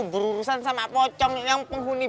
berurusan sama pocong yang penghuni